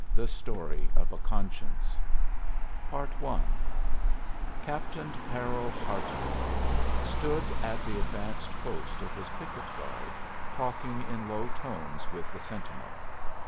THE STORY OF A CONSCIENCE I Captain Parrol Hartroy stood at the advanced post of his picket guard, talking in low tones with the sentinel.